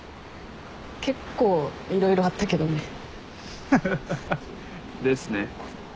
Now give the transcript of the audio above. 結構色々あったけどね。ハハハ。ですね。